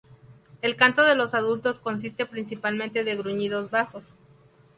El canto de los adultos consiste principalmente de gruñidos bajos.